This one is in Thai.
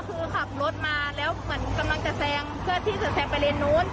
คือขับรถมาแล้วเหมือนกำลังจะแซงเพื่อที่จะแซงไปเลนนู้น